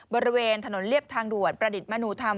บริเวณถนนเรียบทางด่วนประดิษฐ์มนุธรรม